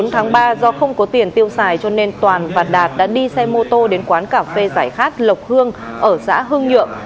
bốn tháng ba do không có tiền tiêu xài cho nên toàn và đạt đã đi xe mô tô đến quán cà phê giải khát lộc hương ở xã hương nhượng